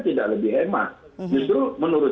tidak lebih hemat justru menurut